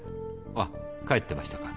あぁ帰ってましたか。